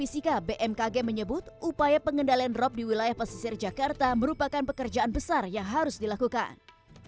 saya menyebut upaya pengendalian rob di wilayah pasir sir jakarta merupakan pekerjaan besar yang harus dilakukan